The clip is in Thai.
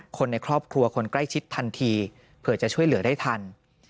คนในครอบครัวคนใกล้ชิดทันทีเผื่อจะช่วยเหลือได้ทัน